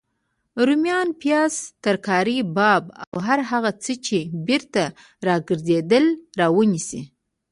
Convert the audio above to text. روميان، پیاز، ترکاري باب او هر هغه څه چی بیرته راګرځیدلي راونیسئ